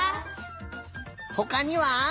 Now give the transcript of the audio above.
ほかには？